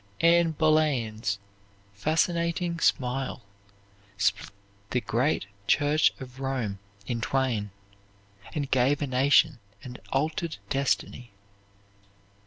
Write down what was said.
Anne Boleyn's fascinating smile split the great Church of Rome in twain, and gave a nation an altered destiny.